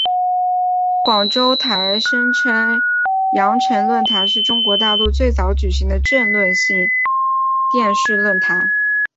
广州台声称羊城论坛是中国大陆最早举办的政论性电视论坛。